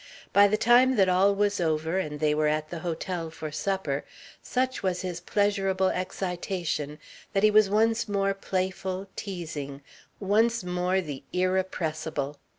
By the time that all was over, and they were at the hotel for supper, such was his pleasurable excitation that he was once more playful, teasing, once more the irrepressible.